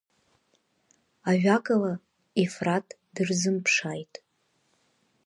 Ажәакала, Ефраҭ дырзымԥшааит.